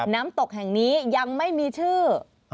น้ำตกแห่งนี้ยังไม่มีชื่อ